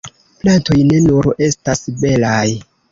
Plantoj ne nur estas belaj.